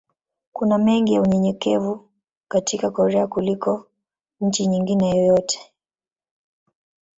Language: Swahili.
Kuna mengi ya unyenyekevu katika Korea kuliko nchi nyingine yoyote.